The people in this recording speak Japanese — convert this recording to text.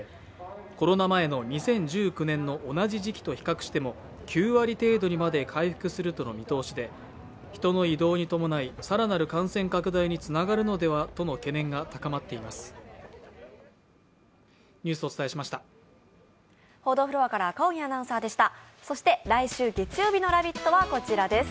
コロナ前の２０１９年の同じ時期と比較しても９割程度にまで回復するとの見通しで人の移動に伴い更なる感染拡大につながるのではとの懸念が高まっています。